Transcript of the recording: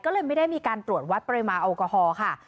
ก็เลยไม่ได้มีการตรวจวัดปริมาณแอลกอฮอล์ค่ะ